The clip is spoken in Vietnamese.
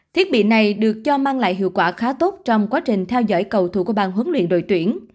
thiết bị này được cho mang lại hiệu quả khá tốt trong quá trình theo dõi cầu thủ của bàn huấn luyện đội tuyển